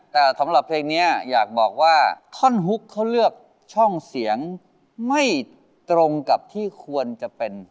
แต่ท่อนหุ้กเขาเลือกช่องเสียงาคกตรงกับที่ควรจะเป็น